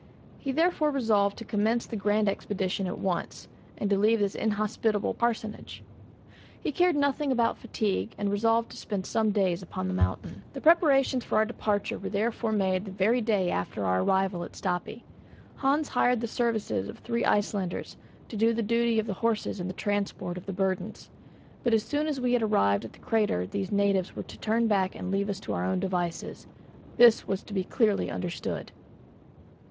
He therefore resolved to commence the grand expedition at once, and to leave this inhospitable parsonage. He cared nothing about fatigue, and resolved to spend some days upon the mountain. The preparations for our departure were therefore made the very day after our arrival at Stapi. Hans hired the services of three Icelanders to do the duty of the horses in the transport of the burdens; but as soon as we had arrived at the crater these natives were to turn back and leave us to our own devices. This was to be clearly understood.